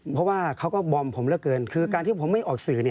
เพราะว่าเขาก็บอมผมเหลือเกินคือการที่ผมไม่ออกสื่อ